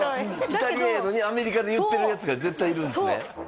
イタリアやのにアメリカで言ってるヤツが絶対いるんですね